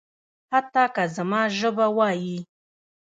حتی که زما ژبه وايي.